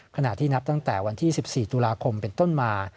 ขณะที่นับตั้งแต่วันที่๑๔ตุลาคมเป็นต้นมา